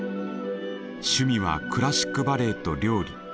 趣味はクラシックバレエと料理。